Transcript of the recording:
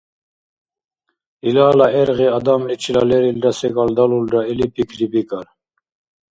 Илала гӀергъи адамличила лерилра секӀал далулра или пикрибикӀар.